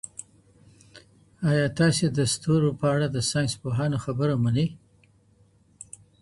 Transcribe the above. ایا تاسي د ستورو په اړه د ساینس پوهانو خبره منئ؟